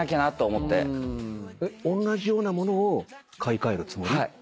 おんなじようなものを買い替えるつもり？